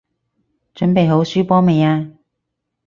準備好輸波未啊？